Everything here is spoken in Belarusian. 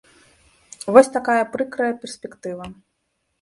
Вось такая прыкрая перспектыва.